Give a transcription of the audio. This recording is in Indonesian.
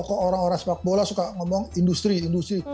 kok orang orang sepak bola suka ngomong industri industri